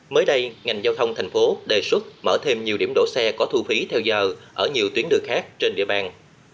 mới đây ngành giao thông thành phố đề xuất mở thêm nhiều điểm đổ xe có thu phí theo giờ ở nhiều tuyến đường khác trên địa bàn